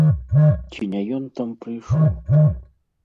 Ці не ён там прыйшоў?